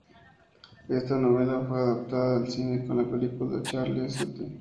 Ésta novela fue adaptada al cine con la película "Charlie St.